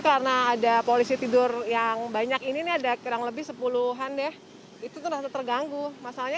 karena ada polisi tidur yang banyak ini ada kurang lebih sepuluhan deh itu terganggu masalahnya